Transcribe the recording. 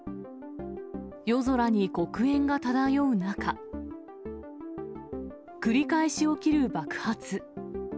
夜空に黒煙が漂う中、繰り返し起きる爆発。